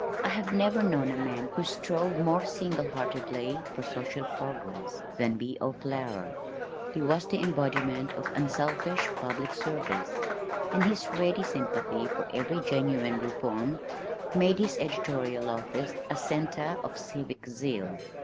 I have never known a man who strove more single heartedly for social progress, than B. O. Flower. He was the embodiment of unselfish public service, and his ready sympathy for every genuine reform made his editorial office a center of civic zeal.